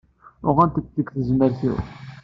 Uɣeɣ-tent deg tezmert-iw.